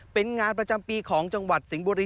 เป็นงานประจำปีของจังหวัดสิงห์บุรี